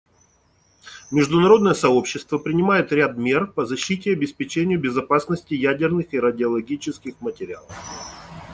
Международное сообщество принимает ряд мер по защите и обеспечению безопасности ядерных и радиологических материалов.